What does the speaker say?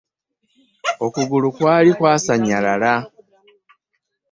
Okugulu kwali kwasannyalala.